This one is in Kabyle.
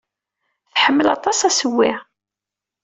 Tḥemmel aṭas assewwi.